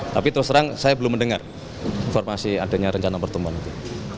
tapi terus terang saya belum mendengar informasi adanya rencana pertemuan itu